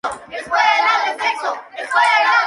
Presenta barba de piel desnuda roja.